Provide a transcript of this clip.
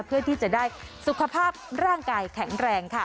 เพื่อที่จะได้สุขภาพร่างกายแข็งแรงค่ะ